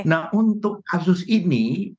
nah untuk kasus ini